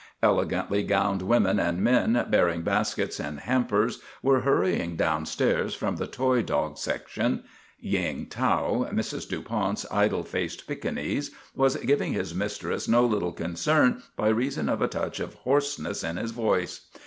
Elegantly gowned women and men bearing baskets and hampers were hurrying downstairs from the toy dog section. Ying Tow, Mrs. Du Pout's idol faced Pekingese, was giving his mistress no lit tle concern by reason of a touch of hoarseness in his voice.